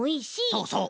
そうそう。